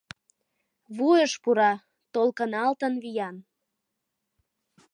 Вуйыш пура, толкыналтын виян